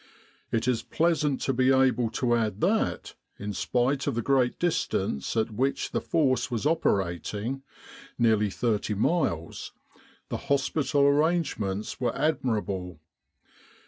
It is pleasant to be able to add that, in spite of the great distance at which the Force was operating (nearly thirty miles), the hospital arrangements were admirable.